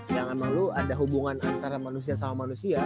yang emang lu ada hubungan antara manusia sama manusia